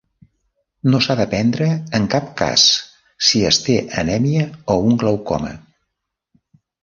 No s'ha de prendre en cap cas si es té anèmia o un glaucoma.